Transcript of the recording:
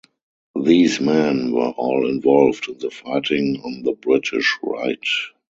These men were all involved in the fighting on the British right.